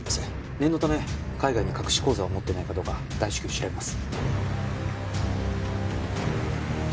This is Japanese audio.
念のため海外に隠し口座を持ってないかどうか大至急調べます。